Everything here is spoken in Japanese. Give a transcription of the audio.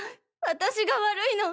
私が悪いの。